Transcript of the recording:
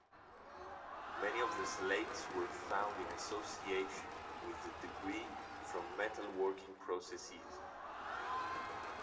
Many of the slates were found in association with debris from metal-working processes.